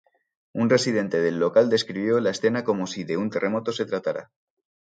Un residente del local describió la escena como si "de un terremoto se tratara".